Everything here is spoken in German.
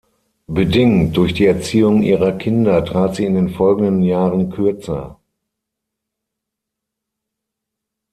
Bedingt durch die Erziehung ihrer Kinder trat sie in den folgenden Jahren kürzer.